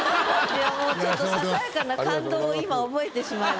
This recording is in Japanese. いやもうちょっとささやかな感動を今覚えてしまいました。